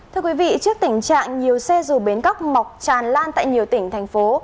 thưa quý vị trước tình trạng nhiều xe dù bến góc mọc tràn lan tại nhiều tỉnh thành phố